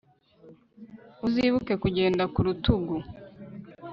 uzibuke kugenda ku rutugu